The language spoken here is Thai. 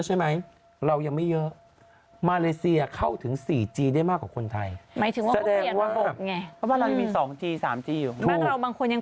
แต่มาเลเซียบอกคนที่เข้าถึง